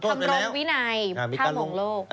ทำรงวินัยท่ามงโลก